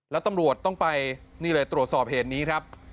แล้วตำรวจต้องไปนี่เลยตรวจสอบเหตุนี้ครับ